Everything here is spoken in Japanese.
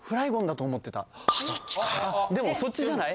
でもそっちじゃない？